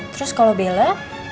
terus kalau bella